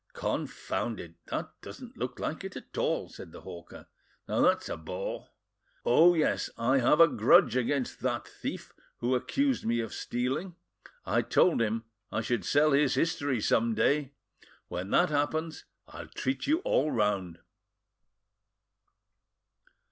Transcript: "Confound it, that doesn't look like it at all," said the hawker: "now that's a bore! Oh yes, I have a grudge against that thief, who accused me of stealing. I told him I should sell his history some day. When that happens, I'll treat you all round."